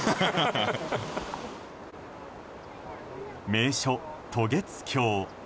名所・渡月橋。